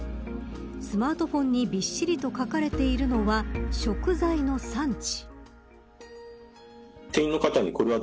スマートフォンにびっしりと書かれているのは食材の産地。